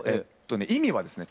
意味はですね